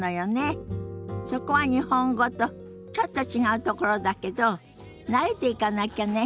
そこは日本語とちょっと違うところだけど慣れていかなきゃね。